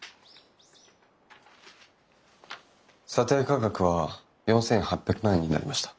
査定価格は４，８００万円になりました。